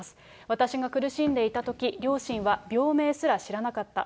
私が苦しんでいたとき、両親は病名すら知らなかった。